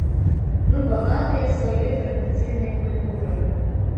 Мы багатыя сваёй традыцыйнай культурай.